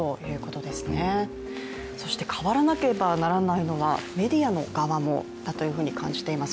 変わらなければならないのがメディアの側だというふうに感じています。